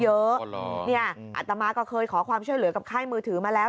อ๋อเหรอเนี่ยอัตมาก็เคยขอความช่วยเหลือกับค่ายมือถือมาแล้ว